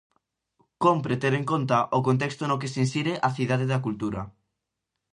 Cómpre ter en conta o contexto no que se insire a Cidade da Cultura.